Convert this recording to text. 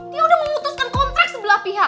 dia sudah memutuskan kontrak sebelah pihak